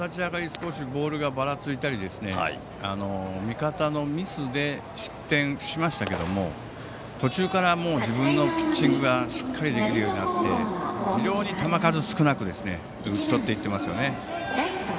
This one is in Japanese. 少しボールがばらついたり味方のミスで失点しましたけど途中から自分のピッチングがしっかりできるようになって非常に球数少なく打ち取っていっていますね。